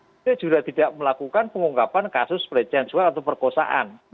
kita juga tidak melakukan pengungkapan kasus pelecehan sekal atau perkosaan